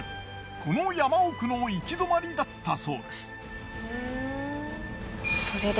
この山奥の行き止まりだったそうです。